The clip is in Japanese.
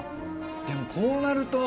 でもこうなると。